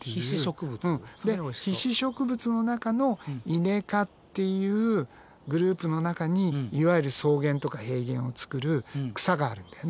うんで被子植物の中のイネ科っていうグループの中にいわゆる草原とか平原をつくる草があるんだよね。